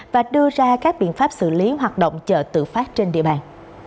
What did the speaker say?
và đưa ra các biện pháp xử lý hoạt động chợ tự phát trên địa bàn